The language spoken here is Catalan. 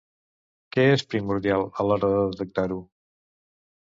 Què és primordial a l'hora de detectar-ho?